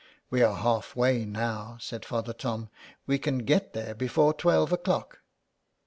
'^ We are half way now," said Father Tom, '' we can get there before twelve o'clock."